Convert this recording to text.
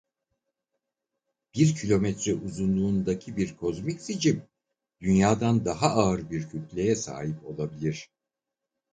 Bir kilometre uzunluğundaki bir kozmik sicim dünyadan daha ağır bir kütleye sahip olabilir.